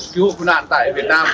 cứu hộ quân nạn tại việt nam